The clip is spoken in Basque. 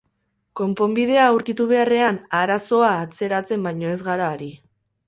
Konponbidea aurkitu beharrean, arazoa atzeratzen baino ez gara ari.